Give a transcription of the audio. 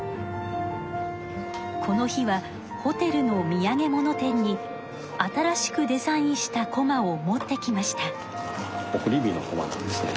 この日はホテルのみやげもの店に新しくデザインしたこまを持ってきました。